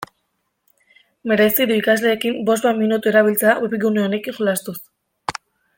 Merezi du ikasleekin bost bat minutu erabiltzea webgune honekin jolastuz.